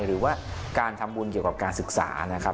หรือว่าการทำบุญเกี่ยวกับการศึกษานะครับ